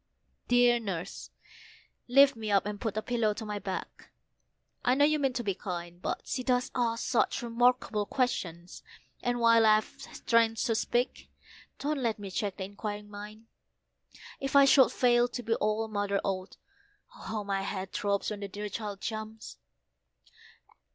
Dear Nurse, lift me up, and put a pillow to my back, I know you mean to be kind; But she does ask such remarkable questions, and while I've strength to speak, don't let me check the inquiring mind. If I should fail to be all a mother ought oh, how my head throbs when the dear child jumps!"